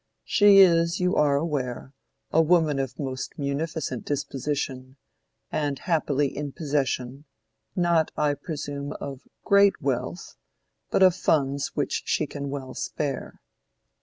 "She is, you are aware, a woman of most munificent disposition, and happily in possession—not I presume of great wealth, but of funds which she can well spare.